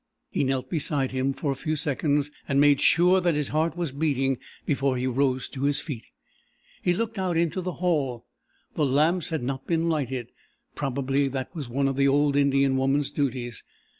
He knelt beside him for a few seconds and made sure that his heart was beating before he rose to his feet. He looked out into the hall. The lamps had not been lighted probably that was one of the old Indian woman's duties.